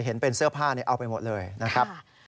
เห็นเป็นเสื้อผ้าเอาไปหมดเลยนะครับ